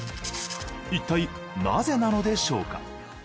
いったいなぜなのでしょうか？